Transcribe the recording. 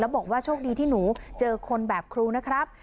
บอกว่าโชคดีที่หนูเจอคนแบบครูนะครับ